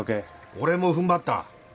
俺も踏ん張った。